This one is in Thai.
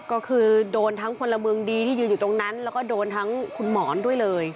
ก็คือโดนทั้งพลเมืองดีที่ยืนอยู่ตรงนั้นแล้วก็โดนทั้งคุณหมอนด้วยเลย